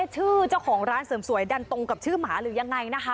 ชื่อเจ้าของร้านเสริมสวยดันตรงกับชื่อหมาหรือยังไงนะคะ